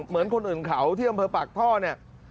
เหมือนคนอื่นเขาที่อำเภอปากท่อเนี่ย